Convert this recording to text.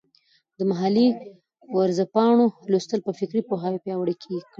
د محلي ورځپاڼو لوستل به فکري پوهاوي پیاوړی کړي.